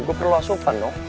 gue perlu asupan dong